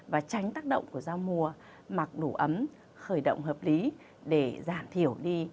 và tránh tác động của giao mùa mặc đủ ấm khởi động hợp lý để giảm thiểu đi